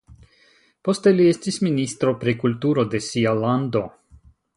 Poste li estis ministro pri kulturo de sia lando.